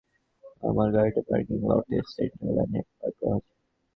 আমার গাড়িটা পার্কিং লটের সেন্টার ল্যানে পার্ক করা আছে!